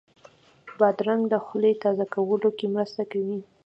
بادرنګ د خولې تازه کولو کې مرسته کوي.